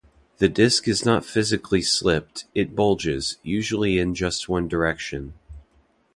The disc is not physically slipped; it bulges, usually in just one direction.